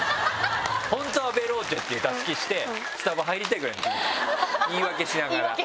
「本当はベローチェ」っていうたすきしてスタバ入りたいぐらいの気持ちよ言い訳しながら。